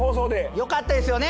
よかったですよね